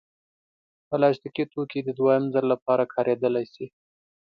پلاستيکي توکي د دوهم ځل لپاره کارېدلی شي.